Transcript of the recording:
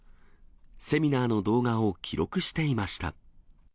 セミナーの動画を記録していました。